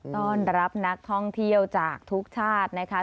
ต้อนรับนักท่องเที่ยวจากทุกชาตินะคะ